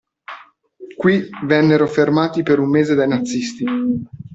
Qui vennero fermati per un mese dai nazisti.